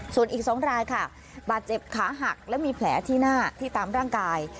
ส่วนอีก๒รายค่ะบาดเจ็บขาหักและมีแผลที่หน้าที่ตามร่างกาย